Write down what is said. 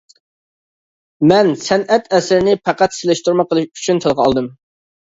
مەن سەنئەت ئەسىرىنى پەقەت سېلىشتۇرما قىلىش ئۈچۈن تىلغا ئالدىم.